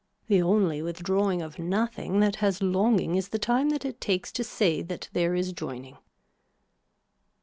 The only withdrawing of nothing that has longing is the time that it takes to say that there is joining.